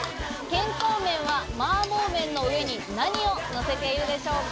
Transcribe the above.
健康麺は麻婆麺の上に何をのせているでしょうか？